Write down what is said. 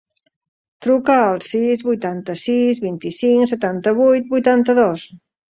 Truca al sis, vuitanta-sis, vint-i-cinc, setanta-vuit, vuitanta-dos.